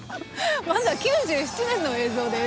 まずは９７年の映像です。